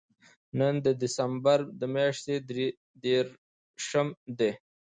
نن د دېسمبر میاشتې درېرشم دی